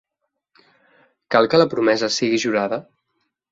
Cal que la promesa sigui jurada?